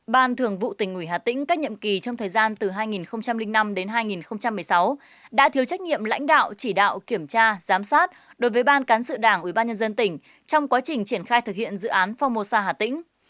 ban thường vụ tỉnh ủy hà tĩnh các nhiệm kỳ trong thời gian từ hai nghìn năm hai nghìn một mươi sáu đã thiếu trách nhiệm lãnh đạo chỉ đạo kiểm tra giám sát đối với ban cán sự đảng ủy ban nhân dân tỉnh trong quá trình triển khai thực hiện dự án phó mô sa hà tĩnh